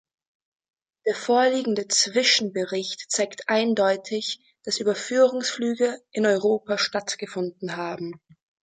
Der vorliegende Zwischenbericht zeigt eindeutig, dass Überführungsflüge in Europa stattgefunden haben.